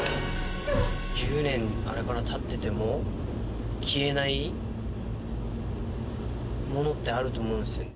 １０年、あれからたってても、消えないものってあると思うんですよ。